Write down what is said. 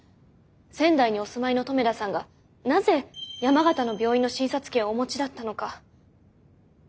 仙台にお住まいの留田さんがなぜ山形の病院の診察券をお持ちだったのか。